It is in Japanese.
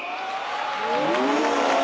お。